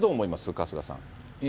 春日さん。